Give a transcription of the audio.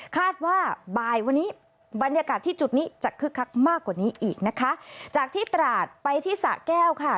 คาดว่าบ่ายวันนี้บรรยากาศที่จุดนี้จะคึกคักมากกว่านี้อีกนะคะจากที่ตราดไปที่สะแก้วค่ะ